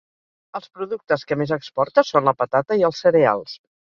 Els productes que més exporta són la patata i els cereals.